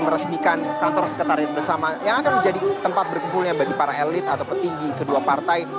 meresmikan kantor sekretariat bersama yang akan menjadi tempat berkumpulnya bagi para elit atau petinggi kedua partai